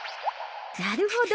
なるほど。